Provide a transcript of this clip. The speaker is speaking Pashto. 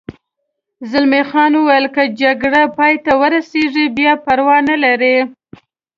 زلمی خان وویل: که جګړه پای ته ورسېږي بیا پروا نه لري.